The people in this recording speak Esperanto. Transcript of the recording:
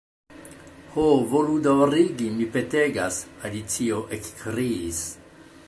"Ho, volu daŭrigi, mi petegas," Alicio ekkriis.